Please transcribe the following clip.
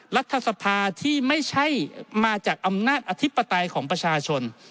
รัฐสภาที่ไม่ใช่มาจากอำนาจอธิปไตยของประชาชน